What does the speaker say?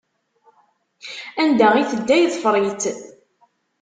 Anda i tedda yeḍfeṛ-itt.